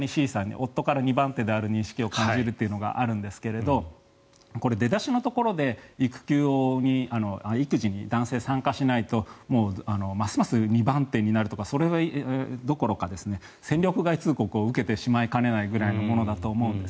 夫から２番手の意識を感じるっていうのがあるんですがこれ、出だしのところで育児に男性、参加しないともう、ますます２番手になるとかそれどころか戦力外通告を受けてしまいかねないぐらいのものだと思うんです。